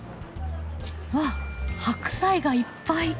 わあ白菜がいっぱい！